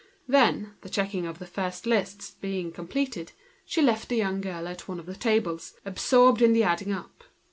When the checking of the first lists was finished, she left the young girl at one of the tables, absorbed in the adding up.